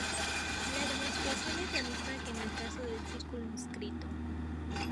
La demostración es la misma que en el caso del círculo inscrito.